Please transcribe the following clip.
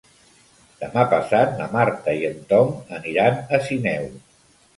Demà passat na Marta i en Tom aniran a Sineu.